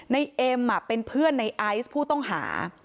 เอ็มเป็นเพื่อนในไอซ์ผู้ต้องหา